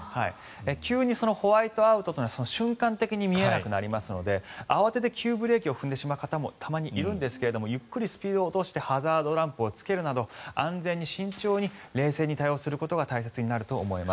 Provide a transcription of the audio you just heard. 急にホワイトアウト瞬間的に見えなくなりますので慌てて急ブレーキを踏んでしまう方もたまにいるんですがゆっくりスピードを落としてハザードランプをつけるなど安全に、慎重に、冷静に対応することが大切になると思います。